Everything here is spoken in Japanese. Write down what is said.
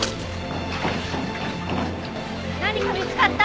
何か見つかった？